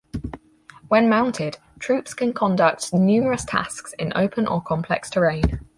When mounted, troops can conduct numerous tasks in open or complex terrain.